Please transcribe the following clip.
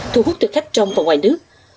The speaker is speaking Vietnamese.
thu hút thực khách trong và ngoài nước